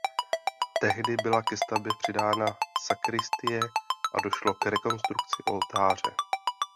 Tehdy byla ke stavbě přidána sakristie a došlo k rekonstrukci oltáře.